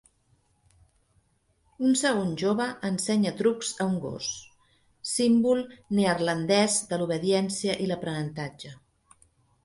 Un segon jove ensenya trucs a un gos, símbol neerlandès de l'obediència i l’aprenentatge.